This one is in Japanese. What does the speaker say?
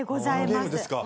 あのゲームですか。